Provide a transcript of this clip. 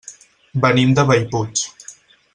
Venim de Bellpuig.